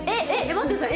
待ってください。